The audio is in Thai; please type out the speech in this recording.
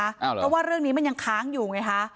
เพราะว่าเรื่องนี้มันยังค้างอยู่ไงคะ